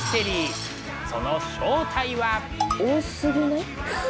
その正体は？